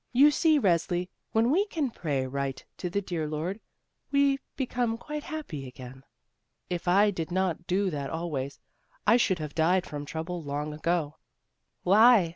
You see, Resli, when we can pray right to the dear Lord, we become quite happy again; if I did not do that always, I should have died from trouble long ago." "Why?"